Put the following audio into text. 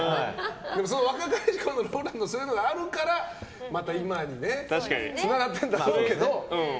でも、若かりしころのＲＯＬＡＮＤさんがあるからまた今につながってるんだろうけど。